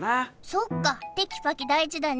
そっかテキパキ大事だね